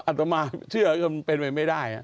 อาจจะมาเชื่อเป็นไม่ได้